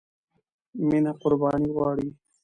مینه قربانی غواړي.